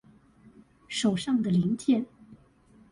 手上的零件